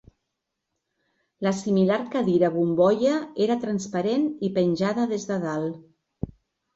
La similar cadira bombolla era transparent i penjada des de dalt.